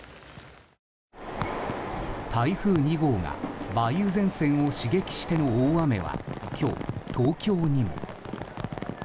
台風２号が梅雨前線を刺激しての大雨は今日、東京にも。